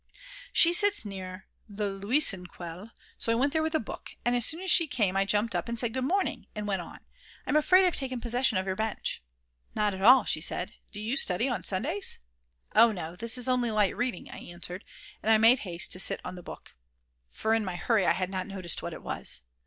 She sits near the Luisenquelle, so I went there with a book, and as soon as she came I jumped up, said "good morning," and went on: "I'm afraid I've taken possession of your bench." "Not at all," she said, "Do you study on Sundays?" "Oh no, this is only light reading," I answered, and I made haste to sit on the book, for in my hurry I had not noticed what it was.